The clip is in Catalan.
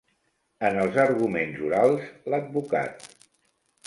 En els arguments orals, l'advocat